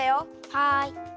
はい。